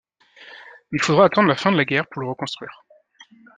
Il faudra attendre la fin de la guerre pour le reconstruire.